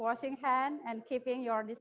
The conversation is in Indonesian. mencuci tangan dan menjaga jauhkan diri